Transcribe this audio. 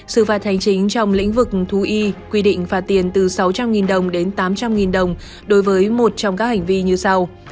xử phạt hành chính trong lĩnh vực thú y quy định phạt tiền từ sáu trăm linh đồng đến tám trăm linh đồng đối với một trong các hành vi như sau